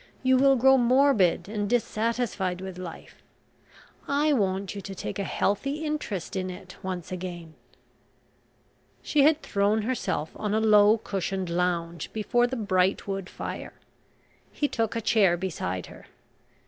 You will grow morbid and dissatisfied with life. I want you to take a healthy interest in it once again." She had thrown herself on a low cushioned lounge before the bright wood fire. He took a chair beside her.